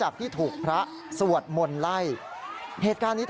สายลูกไว้อย่าใส่